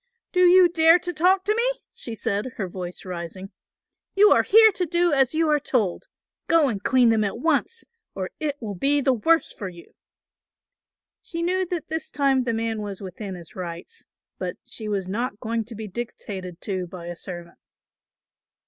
"Do you dare to talk to me?" she said, her voice rising. "You are here to do as you are told; go and clean them at once, or it will be the worse for you." She knew that this time the man was within his rights; but she was not going to be dictated to by a servant.